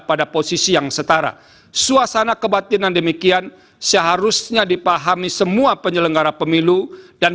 pada posisi yang setara suasana kebatinan demikian seharusnya dipahami semua penyelenggara pemilu dan